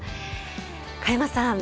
佳山さん